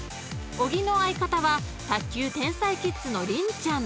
［小木の相方は卓球天才キッズの凛ちゃん］